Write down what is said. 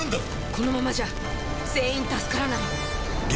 このままじゃ全員助からない喜多見チーフ！